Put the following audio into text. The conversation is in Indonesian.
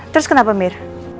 terus kenapa mir